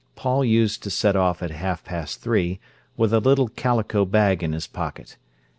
Paul used to set off at half past three, with a little calico bag in his pocket.